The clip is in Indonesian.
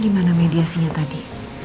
gimana mediasinya tadi